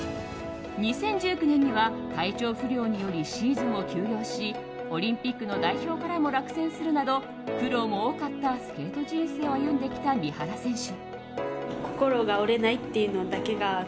２０１９年には体調不良によりシーズンを休養しオリンピックの代表からも落選するなど苦労も多かったスケート人生を歩んできた三原選手。